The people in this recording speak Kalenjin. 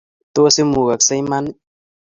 Tos imugakse iman ii?